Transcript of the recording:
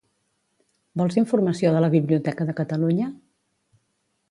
Vols informació de la Biblioteca de Catalunya?